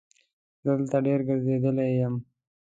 زه دلته ډېر ګرځېدلی یم.